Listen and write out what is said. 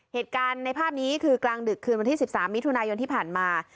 เหตุการณ์ในภาพนี้คือกลางดึกคืนวันที่๑๓มิถุนายนที่ผ่านมา